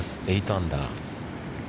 ８アンダー。